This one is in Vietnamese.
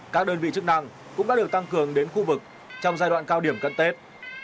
các đơn vị chức năng cũng đã được tăng cường đến khu vực trong giai đoạn cao điểm cận tết